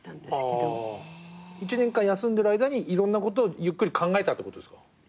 １年間休んでる間にいろんなことをゆっくり考えたってことですか？